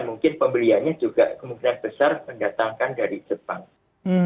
mungkin pembeliannya juga kemungkinan besar